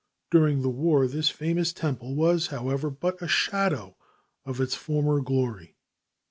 During the war this famous temple was, however, but a shadow of its former glory.